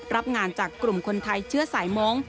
รับงานจากกลุ่มคนไทยเชื้อสายมงค์